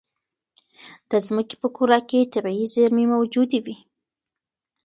د ځمکې په کوره کې طبیعي زېرمې موجودې وي.